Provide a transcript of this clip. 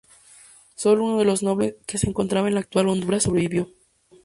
Solo uno de los nobles cocomes, que se encontraba en la actual Honduras, sobrevivió.